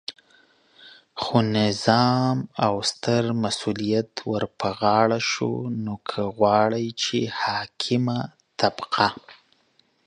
خو نظام او ستر مسؤلیت ورپه غاړه شو، نو که غواړئ چې حاکمه طبقه